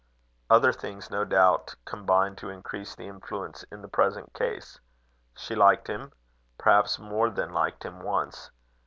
"Other things no doubt combined to increase the influence in the present case. She liked him, perhaps more than liked him once.